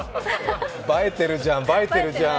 映えてるじゃん、映えてるじゃん。